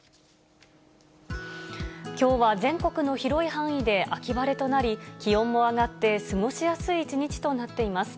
きょうは全国の広い範囲で秋晴れとなり、気温も上がって過ごしやすい一日となっています。